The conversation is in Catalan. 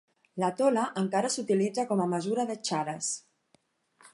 La tola encara s'utilitza com a mesura de charas.